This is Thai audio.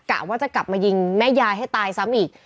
กะว่าจะกลับมายิงแม่ยายให้ตายซ้ำอีก